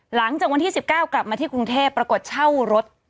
หลังจากวันที่๑๙กลับมาที่กรุงเทพปรากฏเช่ารถ